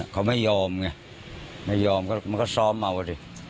เขาไม่ยอมไม่ยอมก็ซ้อมเอาดิ